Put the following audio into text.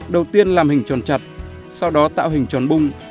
đầu tiên làm hình tròn chặt sau đó tạo hình tròn bung